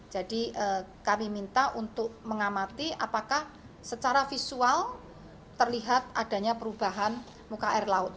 jadi kami minta untuk mengamati apakah secara visual terlihat adanya perubahan muka air laut